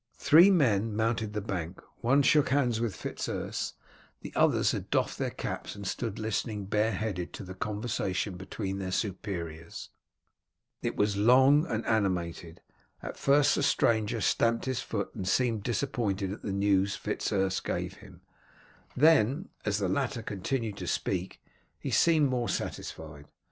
Three men mounted the bank. One shook hands with Fitz Urse, the others had doffed their caps and stood listening bareheaded to the conversation between their superiors. It was long and animated. At first the stranger stamped his foot and seemed disappointed at the news Fitz Urse gave him, then as the latter continued to speak he seemed more satisfied.